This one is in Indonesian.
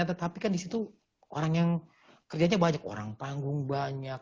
tetapi kan di situ orang yang kerjanya banyak orang panggung banyak